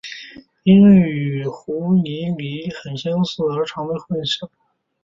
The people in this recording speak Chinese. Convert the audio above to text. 因为与湖拟鲤很相似而常被混淆。